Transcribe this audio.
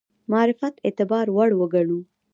معرفت اعتبار وړ وګڼو.